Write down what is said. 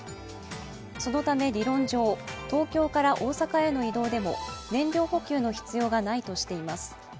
そのため理論上、東京から大阪への移動でも燃料補給の必要がないとしています。